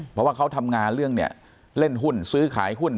เพราะว่าเขาทำงานเรื่องเนี่ยเล่นหุ้นซื้อขายหุ้น